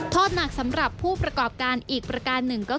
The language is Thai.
โทษหนักสำหรับผู้ประกอบการอีกประการหนึ่งก็คือ